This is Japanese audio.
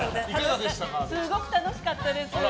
すごく楽しかったです。